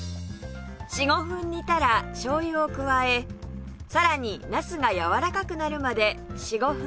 ４５分煮たら醤油を加えさらになすがやわらかくなるまで４５分煮ます